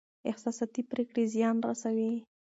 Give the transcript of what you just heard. احساساتي پرېکړې زيان رسوي.